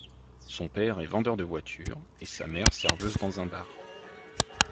Son père est vendeur de voiture et sa mère serveuse dans un bar.